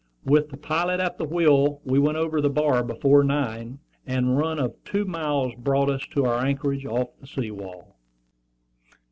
With the pilot at the wheel we went over the bar before nine, and a run of two miles more brought us to our anchorage off the sea wall.